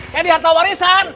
kayak di harta warisan